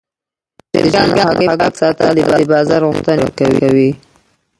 د چرګانو هګۍ پاک ساتل د بازار غوښتنې پوره کوي.